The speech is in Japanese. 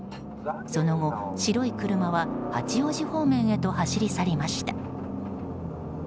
その後、白い車は八王子方面へと走り去りました。